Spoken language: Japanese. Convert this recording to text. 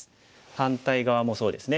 反対側もそうですね。